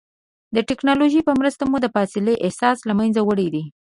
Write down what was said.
د ټکنالوجۍ په مرسته مو د فاصلې احساس له منځه وړی دی.